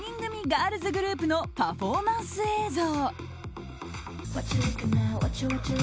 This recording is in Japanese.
ガールズグループのパフォーマンス映像。